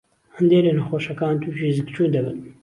هەندێ لە نەخۆشەکان تووشى زگچوون دەبن.